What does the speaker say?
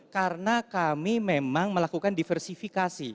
karena kami memang melakukan diversifikasi